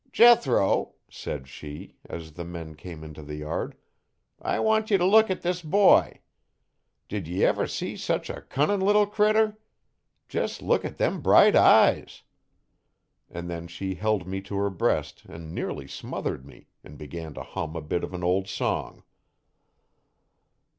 'Jethro,' said she, as the men came into the yard, 'I want ye t' look at this boy. Did ye ever see such a cunnin' little critter? Jes' look at them bright eyes!' and then she held me to her breast and nearly smothered me and began to hum a bit of an old song.